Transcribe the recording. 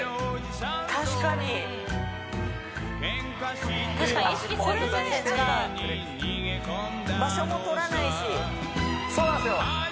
確かに確かに意識すると全然違う場所も取らないしそうなんですよ